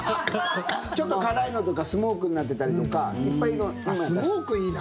ちょっと辛いのとかスモークになってたりとかスモークいいな。